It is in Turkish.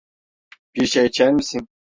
Bir şey içer misin?